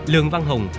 lường văn hùng